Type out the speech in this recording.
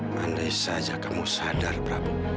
mandai saja kamu sadar prabu